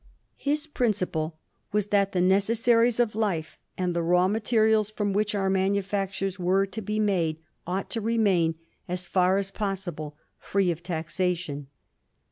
His principle was that the necessaries of life and the raw materials fi om which our manufec tures were to be made ought to remain, as £Eff as possible, fi^e of taxation.